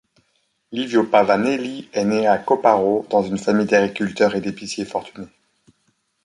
Livio Pavanelli est né à Copparo dans une famille d'agriculteurs et d'épiciers fortunés.